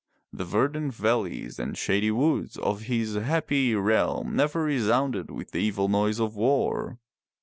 The verdant valleys and shady woods of his happy realm never resounded with the evil noise of war.